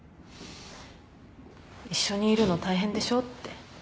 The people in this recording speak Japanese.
一緒にいるの大変でしょ？って。